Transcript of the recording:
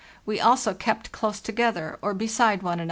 * We also kept close together or beside one another.